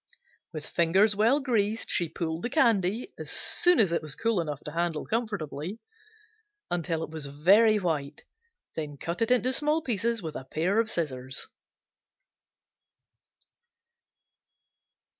With fingers well greased she pulled the candy, as soon as it was cool enough to handle comfortably, until it was very white, then cut it into small pieces with a pair of scissors.